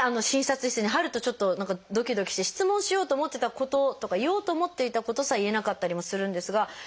診察室に入るとちょっと何かドキドキして質問しようと思ってたこととか言おうと思っていたことさえ言えなかったりもするんですが。